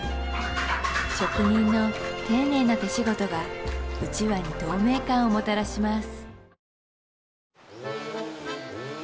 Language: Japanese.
職人の丁寧な手仕事がうちわに透明感をもたらします